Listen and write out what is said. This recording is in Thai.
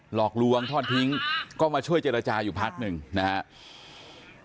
หลอกลวงทอดทิ้งก็มาช่วยเจรจาอยู่พักหนึ่งนะครับ